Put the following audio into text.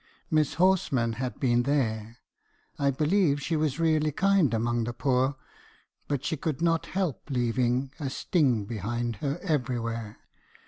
Miss Horsman had been there ; I believe she was really kind among the poor, but she could not help leaving a stinJg behind her everywhere.